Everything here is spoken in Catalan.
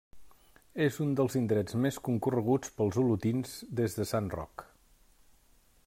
És un dels indrets més concorreguts pels olotins des de Sant Roc.